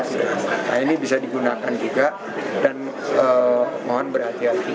nah ini bisa digunakan juga dan mohon berhati hati